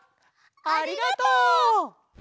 ありがとう！